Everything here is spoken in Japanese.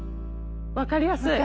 分かりやすい。